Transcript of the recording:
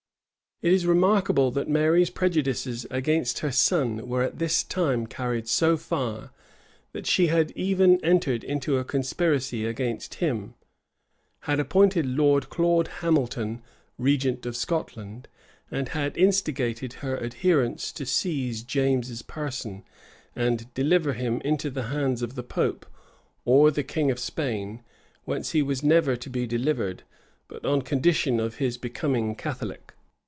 [*] It is remarkable, that Mary's prejudices against her son were at this time carried so far, that she had even entered into a conspiracy against him, had appointed Lord Claud Hamilton regent of Scotland, and had instigated her adherents to seize James's person, and deliver him into the hands of the pope, or the king of Spain; whence he was never to be delivered, but on condition of his becoming Catholic.